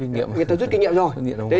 người ta rút kinh nghiệm rồi